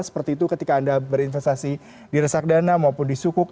seperti itu ketika anda berinvestasi di reksadana maupun di sukuk